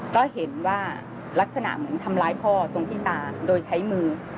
ก็เห็นว่าลักษณะเหมือนทำร้ายพ่อตรงที่ตาโดยใช้มือ